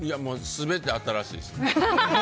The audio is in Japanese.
全て新しいですね。